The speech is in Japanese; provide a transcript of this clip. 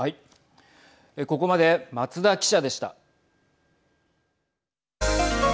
ここまで松田記者でした。